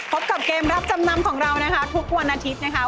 พบกับเกมรับจำนำของเรานะคะทุกวันอาทิตย์นะคะ